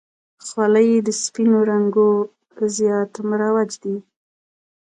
خولۍ د سپینو رنګو زیات مروج دی.